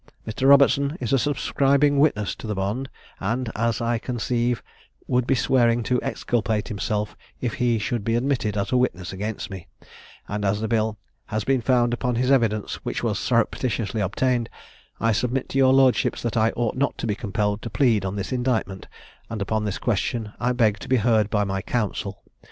Mr. Robertson is a subscribing witness to the bond, and, as I conceive, would be swearing to exculpate himself if he should be admitted as a witness against me; and as the bill has been found upon his evidence, which was surreptitiously obtained, I submit to your lordships that I ought not to be compelled to plead on this indictment; and upon this question I beg to be heard by my counsel.